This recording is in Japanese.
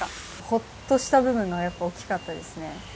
ほっとした部分がやっぱ大きかったですね。